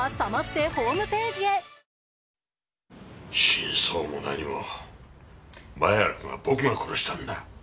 真相も何も前原君は僕が殺したんだ。